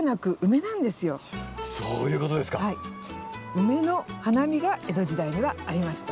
ウメの花見が江戸時代にはありました。